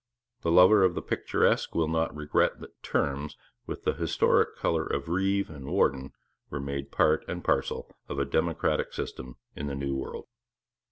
The lover of the picturesque will not regret that terms with the historic colour of 'reeve' and 'warden' were made part and parcel of a democratic system in the New World.